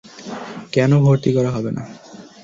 কেনো ভর্তি করা হবে না?